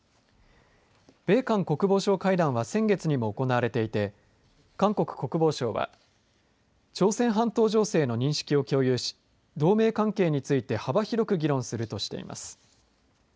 米韓国防相会談は先月にも行われていて韓国国防省は朝鮮半島情勢の認識を共有し同盟関係について幅広く議論するとしています。